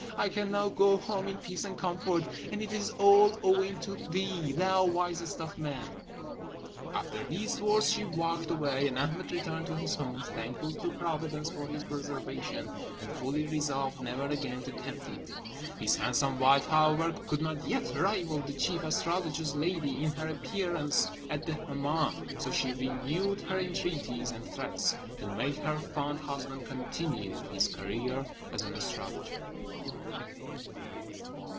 I can now go home in peace and comfort; and it is all owing to thee, thou wisest of men!" After these words she walked away, and Ahmed returned to his home, thankful to Providence for his preservation, and fully resolved never again to tempt it. His handsome wife, however, could not yet rival the chief astrologer's lady in her appearance at the Hemmâm, so she renewed her entreaties and threats, to make her fond husband continue his career as an astrologer.